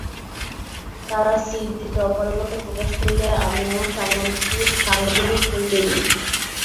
তাঁরা সিট দিতে অপারগতা প্রকাশ করলে আমি আমার সাংগঠনিক পরিচয় দিই।